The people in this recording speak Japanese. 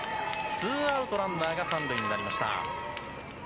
ツーアウトランナーが３塁になりました。